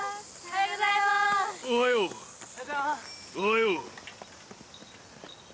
おはよう。